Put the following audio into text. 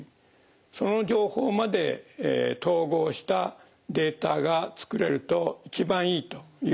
その情報まで統合したデータが作れると一番いいというふうに考えています。